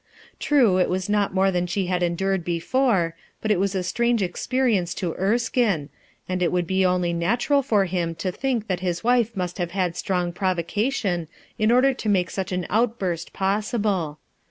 True, it was not more than she had endured before, but it was a strange experience to Erskine, and it would be only natural for him to think that his wife must have had strong provocation, in order to make such an outburst possible.